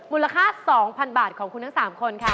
มูลค่า๒๐๐๐บาทของคุณทั้ง๓คนค่ะ